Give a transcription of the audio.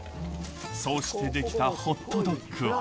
そうして出来たホットドッグは。